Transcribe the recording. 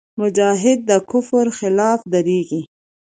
مجاهد د کفر خلاف درېږي.